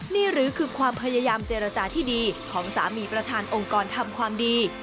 นี่หรือคือความพยายามเจรจาที่ดีของสามีประธานองค์กรทำความดี